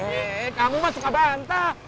eh kamu masuk abang entah